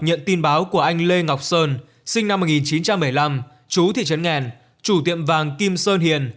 nhận tin báo của anh lê ngọc sơn sinh năm một nghìn chín trăm bảy mươi năm chú thị trấn nghèn chủ tiệm vàng kim sơn hiền